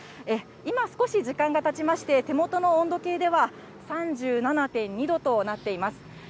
今少し時間がたちまして、手元の温度計では、３７．２度となっています。